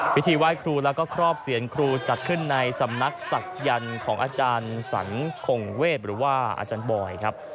พิธีไหว้ครูแล้วก็ครอบเสียนครูจัดขึ้นในสำนักศักยันต์ของอาจารย์สันคงเวศหรือว่าอาจารย์บอยครับ